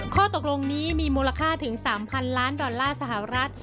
ข้อตกลงนี้มีมูลค่าถึง๓๐๐๐ล้านดอลลาร์สหรัฐ